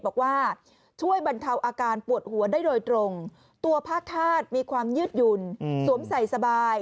บอกว่าช่วยบรรเทาอาการปวดหัวได้โดยตรงตัวผ้าคาดมีความยืดหยุ่นสวมใส่สบาย